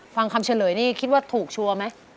ฟังคำเฉลยนี่คิดว่าถูกชัวร์ไหม